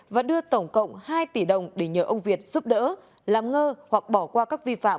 và đưa tổng cộng hai tỷ đồng để nhờ ông việt giúp đỡ làm ngơ hoặc bỏ qua các vi phạm